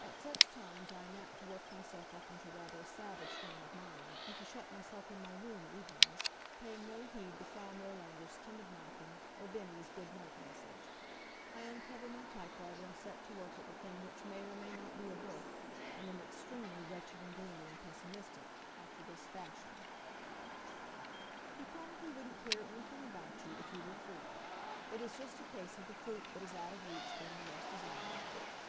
At such times I am apt to work myself up into rather a savage frame of mind, and to shut myself in my room evenings, paying no heed to Frau Nirlanger's timid knocking, or Bennie's good night message. I uncover my typewriter and set to work at the thing which may or may not be a book, and am extremely wretched and gloomy and pessimistic, after this fashion: "He probably wouldn't care anything about you if you were free. It is just a case of the fruit that is out of reach being the most desirable.